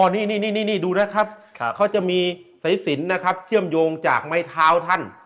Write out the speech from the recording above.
นี่ดูนะครับเขาจะมีสายสินนะครับเชื่อมโยงจากไม้เท้าท่าน